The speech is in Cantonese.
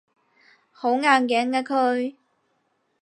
好硬頸㗎佢